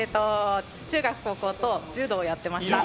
中学、高校と柔道をやっていました。